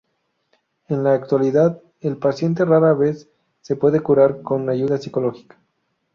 En la actualidad, el paciente rara vez se puede curar con ayuda psicológica.